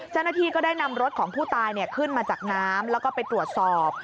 เจ้าหน้าที่ก็ได้นำรถของผู้ตายขึ้นมาจากน้ำแล้วก็ไปตรวจสอบ